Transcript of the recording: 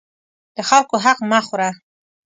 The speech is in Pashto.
د خلکو حق مه خوره.